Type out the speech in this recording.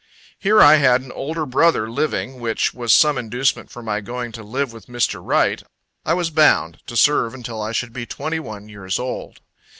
Here I had an older brother living, which was some inducement for my going to live with Mr. Wright. I was bound, to serve until I should be twenty one years old.